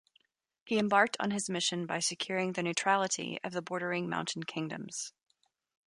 He embarked on his mission by securing the neutrality of the bordering mountain kingdoms.